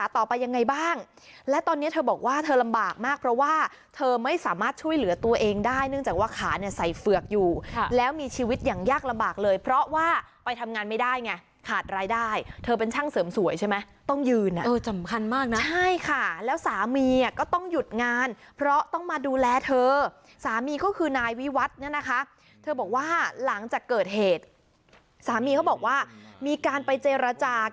เธอไม่สามารถช่วยเหลือตัวเองได้เนื่องจากว่าขาในใส่เฟือกอยู่แล้วมีชีวิตอย่างยากลำบากเลยเพราะว่าไปทำงานไม่ได้ไงขาดรายได้เธอเป็นช่างเสริมสวยใช่ไหมต้องยืนอ่ะจำคัญมากนะใช่ค่ะแล้วสามีก็ต้องหยุดงานเพราะต้องมาดูแลเธอสามีก็คือนายวิวัฒน์นะคะเธอบอกว่าหลังจากเกิดเหตุสามีเขาบอกว่ามีการไปเจรจาก